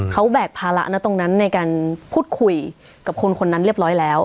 เขาแบกภาระนะตรงนั้นในการพูดคุยกับคนคนนั้นเรียบร้อยแล้ว